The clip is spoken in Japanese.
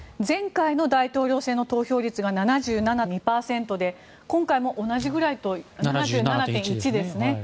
前回の大統領選の投票率が７７．２％で今回も同じぐらい７７．１ですね。